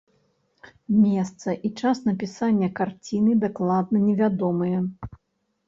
Месца і час напісання карціны дакладна невядомыя.